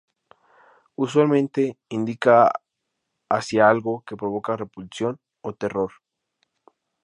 Usualmente indica hacia algo que provoca repulsión o terror.